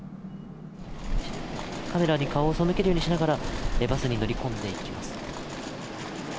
カメラに顔をそむけるようにしながら、バスに乗り込んでいきます。